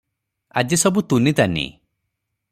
ଆଜି ସବୁ ତୁନି ତାନି ।